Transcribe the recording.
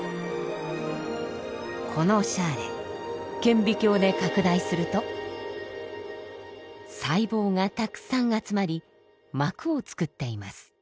このシャーレ顕微鏡で拡大すると細胞がたくさん集まり膜を作っています。